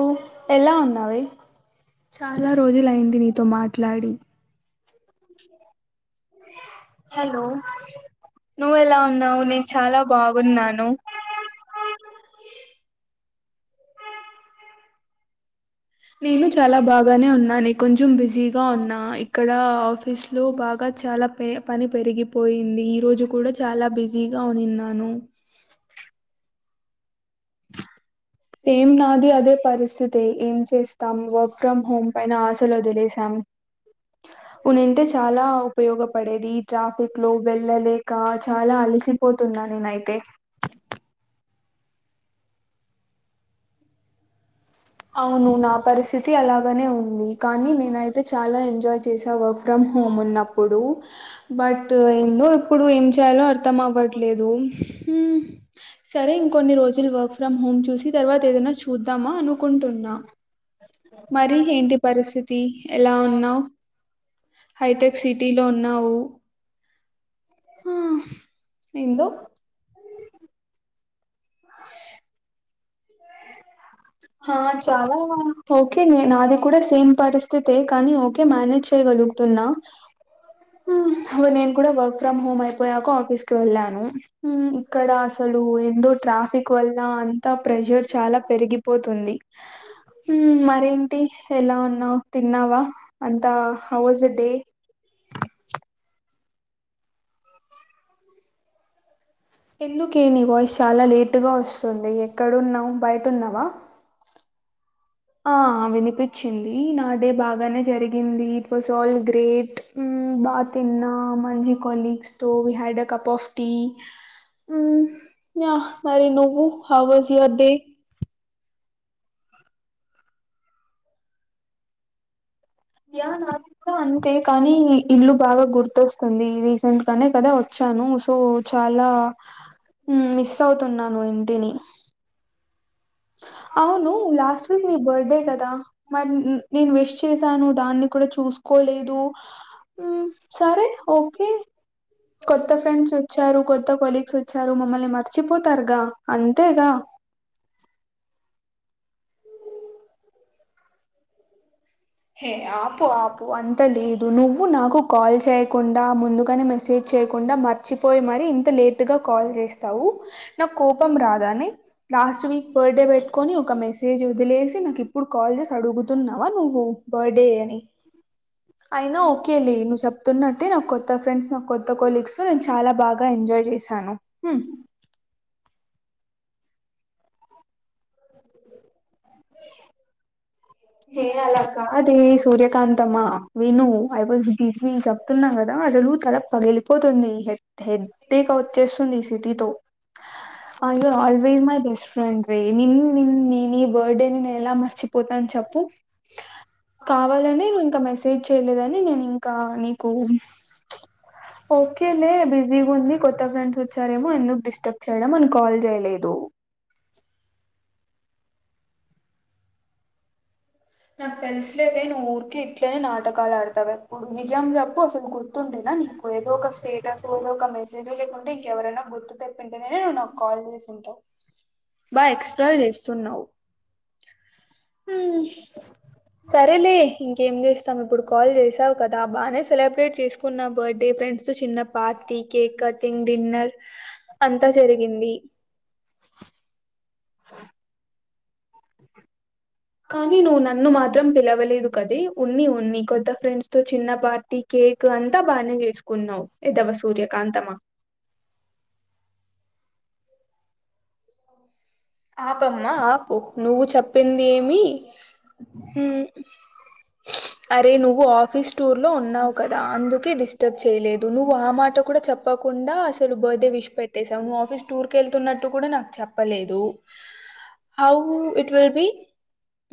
ఓ ఎలా ఉన్నావే చాలా రోజులయింది నీతో మాట లాడి హలో నువ్వు ఎలా ఉన్నావు నేను చాలా బాగున్నాను నేను చాలా బాగానే ఉన్నా న కొంచెం బిజీగా ఉన్నా ఇక్కడ ఆఫీస్ లో బాగా చాలా పె పని పెరిగిపోయింది ఈ రోజు కూడా చాలా బిజీగా ఉ నిన్న మను సేమ్ నాది అదే పరిస్థితి అయితే ఏం చేస్తాం వర్క్ ఫ్రమ్ హోమ్ పైన ఆశలు వదిలేశాం ఉనింటే చాలా ఉపయోగపడేది ట్రాఫిక్ లో వెళ్ళలేక చాలా అలసిపోతున్నా అయితే అవును నా పరిస్థితి అలాగనే ఉంది కానీ నేనయితే చాలా ఎంజాయ్ చేసా వర్క్ ఫ్రమ్ హోమ్ ఉన్నప్పుడు బట్ ఏందో ఇప్పుడు ఏం చేయాలో అర్థం అవ్వట్లేదు సరే ఇంకొన్ని రోజులు వర్క్ ఫ్రమ్ హోమ్ చూసి తర్వాత ఏదైనా చూద్దామా అను కుంటున్నా మరి ఏంటి పరిస్థితి ఎలా ఉన్నావు హైటెక్ సిటీలో ఉన్నావు హ ఎందు హా చాలా ఓకే నాది కూడా సేమ్ పరిస్థితే కానీ ఓకే మేనేజ్ తే గలుతున్నా హావే నేన్ కూడా వర్ ఫ్రమ్ హోమ్ అ పోయాక ఆఫీస్కు వెళ్ళాను. హ్మ్ ఇక్కడ అసలు ఎందో ట్రాఫిక్ వల్ల అంతా ప్రెజర్ చాలా పెరిగి పోతుంది, ఉ మరేంటి ఎలా ఉన్నావ్, తిన్నావా అంత హౌ వజ్ డే ఎందుకే నీ వాయిస్ చాలా లేటుగా వస్సుంది ఎక్కడున్నావు బైటున్నావా ఆ వినిపించ్చింది నా డే బాగానే జరి హిందీ వసాల్ గ్రేట్ ఉ బా తిన్నాం, మంజి colleagues so we had a cup of tea uh yeah మరి నువ్వు హౌవజ్ యువర్ డే యా నాకు డ అంతే కానీ ఇ ఇల్లు బాగా గుర్తొస్తుంది రీసెంట్ గానే కదా వచ్చాను సో చాలా మిస్ అవుతున్నాను ఇంటిని అవును లాస్ట్ వీక్ నీ బడ్డే కదా మరి న్ న్ నేను విష్ చేశాను దాన్ని కూడా చూసుకోలేదు, ఉ సరే ఓకే, కొత్త ఫ్రెండ్స్ వచ్చారు కొత్త కొలీగ్స్ వచ్చారు, మమ్మల్ని మర్చిపోతారుగా అంతేగా హే ఆపు ఆపు అంత లేదు నువ్వు నాకు కాల్ చేయ్యకుండా ముందుక్ కానే మెసేజ్ చేయకుండా మర్చిపోయి మరి ఇంత లేట్గా కాల్ చేస్తావు. నాకు కోపం రాదానే, లాస్ట్ వీక్ బడ్డే పెట్ట్కొని ఒక మెసేజ్ వదిలేసి నాకు ఇప్పుడు కాల్ చేసి అడుగుతున్నావా నువ్వు బడ్డే అని, ఐనా ఓకేలి నువ్వు సెప్తున్నట్టే నా కొత్త ఫ్రెండ్స్, నా కొత్త కొలీగ్స్ నేను చాలా బాగా ఎంజాయ్ చేశాను. హు హె అలా కాదే సూర్య ఏకాంతమా విను ఐవజ్ బిజి చెప్తున్నా కదా అసలు తల పగిలిపోతుంది, హె హె ట్టేక వచ్చేస్సుంది సిటీతో ఆ you always my best friend రే నిన్ను నిన్ నే ని బడ్డేని నేనలా మర్చిపోతాన చె కావాలనే నువ్ ఇంకా మెసేజ్ చేయలేదని నేను ఇంకా నీకు, చ్ ఓకేలే బిజీగా ఉంది కొత్త ఫ్రెండ్స్ వచ్చారేమో ఎందుకు డిస్టర్బ్ చేయడం అని కాల్ చేయలేదు. నాకు తెల్స్ లేవే ను ఊరికే ఇట్లనే నాటకాలు ఆడతావన్ ఇప్పుడు నిజం జప్పు అసలు గుర్తుంటేనా నీకు ఏదో ఒక స్టేటసొ ఒక ఒక మెసేజె లేకుంటే ఇంకెవరైనా గుర్తు తెప్పింటేనేనే నువ్ నాకు కాల్ చేసింటవ్. బా ఎక్స్ట్రా చేస్తున్నావు హ్ సరేలే ఇంకేం చేస్తాం ఇప్పుడు కాల్ చేసావు కదా బానే సెలబ్రేట్ చేసుకున్న బర్త్డే ఫ్రెండ్స్ తో చిన్న పార్టీ కేక్ కటింగ్ డిన్నర్ అంతా జరిగింది కానీ నువ్వు నన్ను మాత్రం పిలవలేదు కదే ఉన్ని ఉన్ని కొత్త ఫ్రెండ్స్ తో చిన్న పార్టీ కేక్ అంతా బానే చేసుకున్నావు ఎదవ సూర్యకాంతమా ఆపమ్మ ఆపు నువ్వు చెప్పింది ఏమి హ్మ్ అరే నువ్వు ఆఫీస్ టూర్ లో ఉన్నావు కదా అందుకే డిస్టర్బ్ చేయలేదు నువ్వు ఆ మాట కూడా చెప్పకుండా అసలు బర్త్డే విష్ పెట్టేసావు నువ్వు ఆఫీస్ టూర్ కి వెళ్తున్నట్ ట్టు కూడా నాక్ చెప్పలేదు హౌ ఇట్ విల్ బి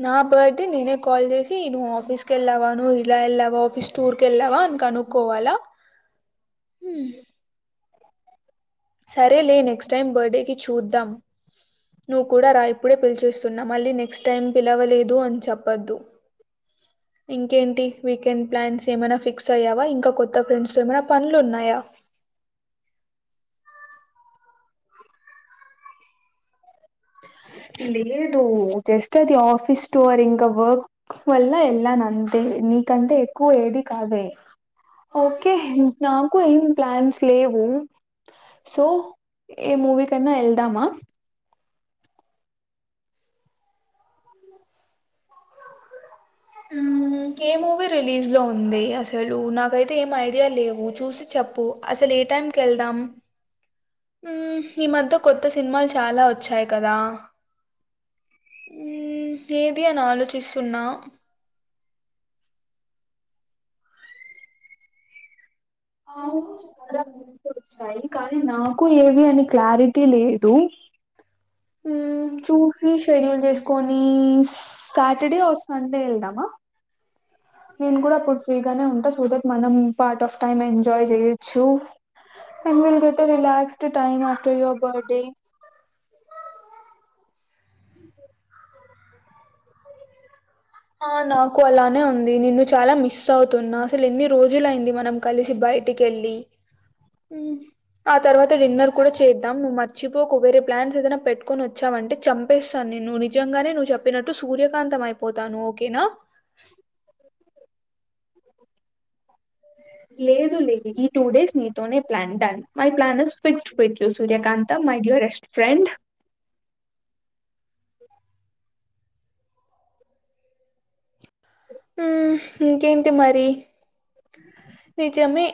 నా బర్త్డే నేనే కాల్ చేసి నువ్ ఆఫీస్ కేళ్ళావా నువ్ ఇలా ఏళ్ళావా ఆఫీస్ టూర్ కి వెళ్ళావా అని కనుక్కోవాల హుమ్ సరే లే నెక్స్ట్ టైం బర్త్డే కి చూద్దాం నువ్వు కూడా రా ఇప్పుడే పిలిచేస్ స్తున్నా మళ్ళీ నెక్స్ట్ టైం పిలవలేదు అని చేపోద్దు ఇంకేంటి వీకెండ్ ప్లాన్స్ ఏమైనా ఫిక్ క్స్ అయ్యావా ఇంకా కొత్త ఫ్రెండ్స్ ఏమైనా పనులున్నాయా లేదు జస్ట్ అట్లా ఆఫీస్ స్టోర్ ఇంకా వర్క్ వల్ల ఎలా నంతే నీకంటే ఎక్కువ ఏది కాదే ఓకే నాకు ఏం ప్లాన్స్ లేవు సో ఏ మూవీ కన్నా ఎల్దమా హ్మ్ ఏ మూవీ రిలీజ్ లో ఉంది అసలు నాకైతే ఏం ఐ యా లేవు చూసి చెప్పు అసలు ఏ టైంకెల్దం ఉహ్ ఈ మధ్య కొత్త సినిమాలు చాలా వచ్చాయి కదా ఏది అని ఆలోచిస్ స్తున్నా అవును, చాలా మూవీస్ వచ్చాయి కానీ ఉ చూఫీ షెడ్యూల్ చేస్ పోనీ సాటర్డే ఆర్ సండే వెళ్దామా నేను కూడా అప్పుడు ఫ్రీగానే ఉంటాను సో దట్ మనం పార్ట్ ఆఫ్ టైమ్ ఎంజాయ్ చేయొచ్చు and will get a relaxed time after your birthday ఆ నాకు అలానే ఉంది నిన్ను చాలా మిస్ అవుతున్నా అసలు ఎన్ని రోజులు అయింది మనం కలిసి బయటికి వెళ్ళి హ్మ్. ఆ తర్వాత డిన్నర్ కూడా చేద్దాం నువ్వు మర్చిపో కువేరే ప్లాన్స్ ఏదైనా పెట్టుకొ ని వచ్చావంటే చంమ్ ప్పేస్తాను నేను నిజంగానే నువ్వు చెప్పినట్టు సూర్యకాంతం అయిపోతాను ఓకేనా లేదు లేదు ఈ టూ డేస్ మీీతోనే plan done my plans fixed with you Surya Kant the my dear rest friend um ఇంకేంటి మరి నిజమే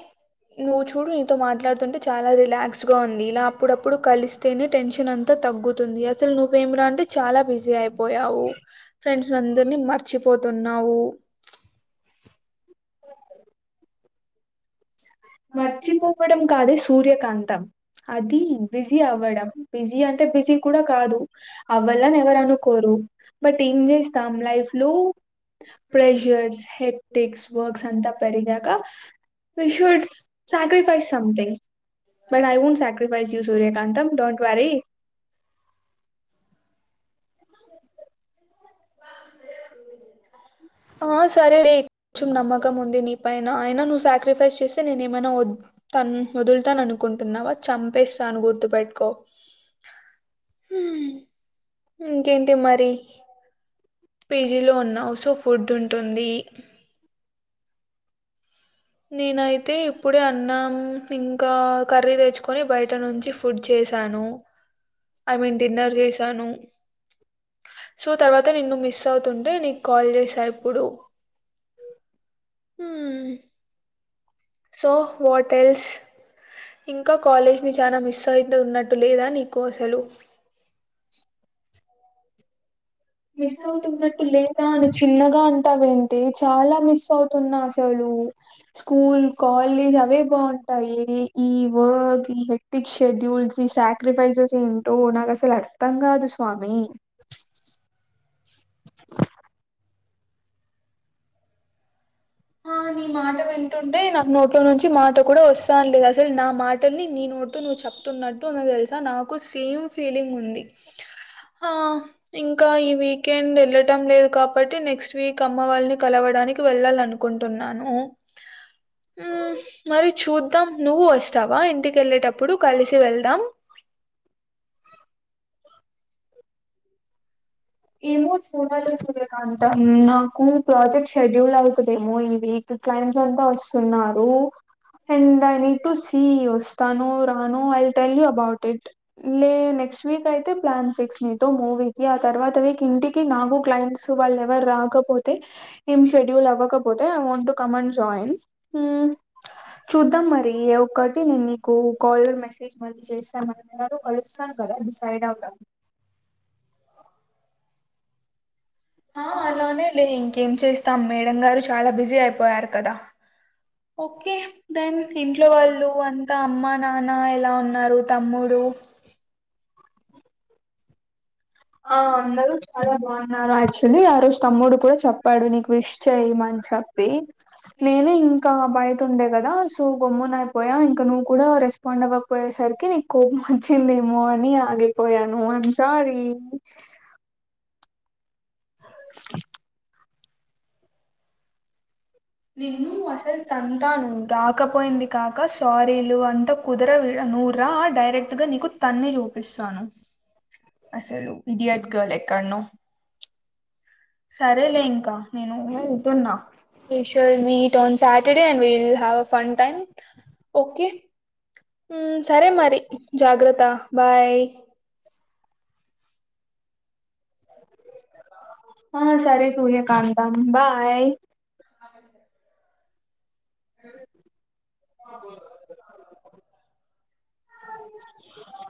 నువ్వు చూడు నీతో మాట్లాడుతుంటే చాలా రిలాక్స్డ్ గా ఉంది ఇలా అప్పుడప్పుడు కలిస్తేనే టెన్షన్ అంతా తగ్గుతుంది అసలు నువ్వేమి రా అంటే చాలా బిజీ అయిపోయావు ఫ్రెండ్స్ అసలు అందరినీ మర్చిపోతున్నావు మర్చిపోవడం కాదే సూర్యకాంతం అది బిజీ అవ్వడం బిజీ అంటే బిజీ కూడా కాదు అవలని ఎవరు అనుకోరు బట్ ఏం చేస్తాం లైఫ్ లో ప్రెషర్స్ హెక్టిక్స్ వర్క్స్ అంతా పెరిగాక wish you at sacrifice something but I want sacrifice you Suryakantham don't worry వాకు లేదు ఆ సర్లే చూడ్ నమ్మక ముంది నీ పైన్ ఆయనా నువ్వు సాక్రిఫైస్ చేస్ నా తే నేను ఏమైనా వద్ తాన్ వదులుతాను అనుకుంటున్నావా చంపేస్తాను గుర్తు పెెట్టుకో ఇంకేంటి టి మరి పేజీలో ఉన్నావు సో ఫుడ్ ఉంటుంది నేనయితే ఇప్పుడే అన్నాం ఇంకా కర్రీ తెచ్చుకొని బయట నుంచి ఫుడ్ చేశాను ఐ మీన్ డిన్నర్ చేసాను సో తర్వాత నిన్ను మిస్ అవుతుంటే నీకు కాల్ చేసా ఇప్పుడు సో హోటల్స్ ఇంకా కాలేజ్ ని చాలా మిస్ అయితు ఉన్నట్టు లేదా నీకు అసలు మిస్ అవుతున్నట్టు లేదా అని చిన్నగా అన్ టవెన్ టె చాలా మిస్ అవుతున్నా చలుూ స్కూల్ కాలేజ్ అవే బాగుంటాయి ఈ వర్క్ ఈ వ్యక్తిక్ షెడ్యూల్స్ ఈ సాక్రిఫైసెస్ ఏంటో నాకు అసలు అర్థం కాదు స్వామి ఆ నీ మాట వింటుంటే నా నోట్లో నుంచి మాట కూడా వస్తానలేదు అసలు నా మాటల్ని నీ నోటు నువ్వు చెప్తున్నట్టు అ తెలుసా నాకు సేమ్ ఫీలింగ్ ఉంది ఆ ఇంకా ఈ వీకెండ్ వెళ్ళటం లేదు కాబట్టి నెక్స్ట్ వీక్ అమ్మ వాళ్ళని కలవడానికి వెళ్ళాలినుకు కుంటున్నాను ఉమ్ మరి చూద్దాం నువ్వు వస్తావా ఇంటిక వెళ్ళేటప్పుడు కలిసి వెళ్దాం ఏమో చూడాలి సూర్యకాంతం నాకు ప్రాజెక్ట్ షెడ్యూల్ అవుతు వేమో ఇ వక్ క్లైంట్ అంతా వస్తున్నారు అండ్ ఐ ఇ టు సి వస్తాను రాను I'll tell you about it లే నెక్స్ట్ వీక్ అయితే ప్లాన్ ఫిక్స్ నతో మూవికి ఆ తర్వాత ఇంటికి నాకు క్లయింట్స్ వాళ్ళు ఎవరు రాకపోతే ఏం షెడ్యూల్ అవ్వకపోతే ain't to come and join um చూద్దాం మరి ఒటి నేను నీకు కాాలర్ మెసేజ్ మ చేస్తా కలుస్తాను కదా డిసైడ్ అవధం ఆ అలానే లే ఇంకేం చేస్తాం మేడం గారు చాలా బిజీ అయిపో పోయారు కదా ఓకే దెన్ ఇంట్లో వాళ్ళు అంత అమ్మ నాన్న ఎలా ఉన్నా ఉన్నారు తమ్ముడు ఆ అందరూ చాలా బాగున్నారు యాక్చువల్లీ ఆ రోజు తమ్ముడు కూడా చెప్పాడు నీకు విష్ చేయ్యమని చెప్పి నేను ఇంకా బయట ఉండే కదా సో గమ్మున అయిపోయా ఇంకా నువ్వు కూడా రెస్పాండ్ అవ్వ పోయేసరికి నీకు కోపం వచ్చిందేమో అని ఆగిపోయాను ఐ యామ్ సారీ నిన్ను అసలు తంతాను రాకపోయింది కాక సారీలు అంత కుదరవ్ ఇడ నువ్ రా డైరెక్ట్గా నీకు తన్ని చూపిస్తాను అసలు ఇడియట్ గల్ ఎక్కన్నో సరేలే ఇంకా నేను తున్నా special meet on Saturday we will have fun time okay um సరే మరి జాగ్రత్త బాయ్ [unintelligible] ఆ సరే సూర్యకా తాను బాయ్ [unintelligible]